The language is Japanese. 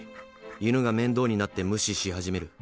犬が面倒になって無視し始める。